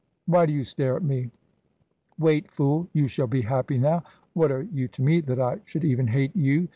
Why do you stare at me? Wait, fool! You shall be happy now. What are you to me that I should even hate you?